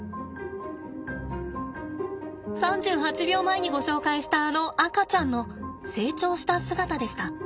３８秒前にご紹介したあの赤ちゃんの成長した姿でした。